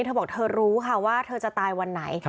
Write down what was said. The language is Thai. เธอบอกเธอรู้ค่ะว่าเธอจะตายวันไหน